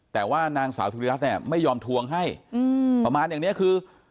แต่ว่านางสาวสุริรัตนเนี่ยไม่ยอมทวงให้ประมาณอย่างเนี้ยคือ